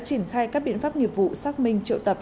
triển khai các biện pháp nghiệp vụ xác minh triệu tập